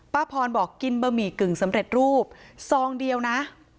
พรบอกกินบะหมี่กึ่งสำเร็จรูปซองเดียวนะ